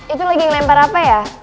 itu lagi ngelempar apa ya